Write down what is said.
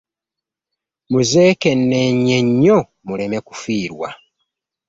Muzeekenneenye nnyo muleme kuferwa.